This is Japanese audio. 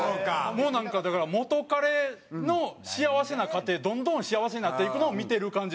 もうなんかだから元カレの幸せな家庭どんどん幸せになっていくのを見てる感じですだから。